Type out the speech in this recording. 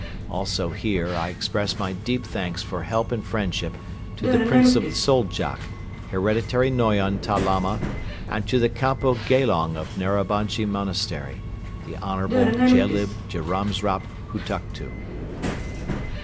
Also here I express my deep thanks for help and friendship to the Prince of Soldjak, Hereditary Noyon Ta Lama and to the Kampo Gelong of Narabanchi Monastery, the honorable Jelyb Djamsrap Hutuktu.